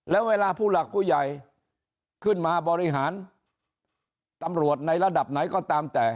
แล้วเวลาผู้หลักผู้ใหญ่ขึ้นมาบริหารตำรวจในระดับไหนก็ตามแต่